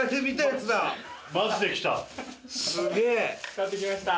買ってきました。